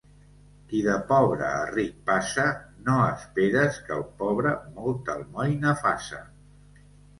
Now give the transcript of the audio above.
Qui de pobre a ric passa, no esperes que al pobre molta almoina faça.